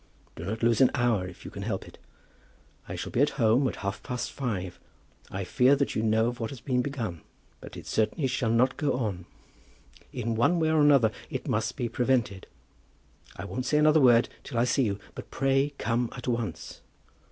Do not lose an hour if you can help it. I shall be at home at half past five. I fear what you know of has been begun. But it certainly shall not go on. In one way or another it must be prevented. I won't say another word till I see you, but pray come at once.